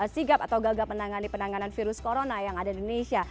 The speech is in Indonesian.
sigap atau gagap menangani penanganan virus corona yang ada di indonesia